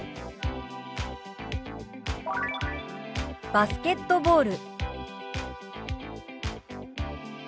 「バスケットボール」。